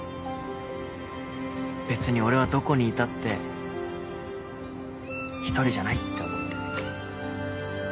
別に俺はどこにいたって一人じゃないって思って。